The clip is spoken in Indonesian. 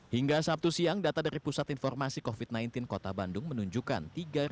hingga sabtu siang data dari pusat informasi covid sembilan belas kota bandung menunjukkan